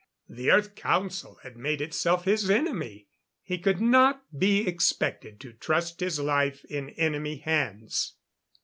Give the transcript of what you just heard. The Earth Council had made itself his enemy; he could not be expected to trust his life in enemy hands.